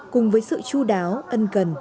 cùng với sự chú đáo ân cần